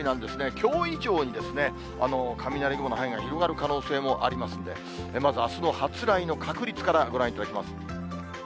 きょう以上に雷雲の範囲が広がる可能性ありますんで、まずあすの発雷の確率からご覧いただきます。